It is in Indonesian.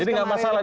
jadi gak masalah